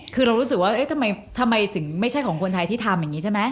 คือเรารู้สึกว่าเอ๊ะทำไมถึงไม่ใช่ของคนไทยที่ทำอย่างนี้ใช่ไหม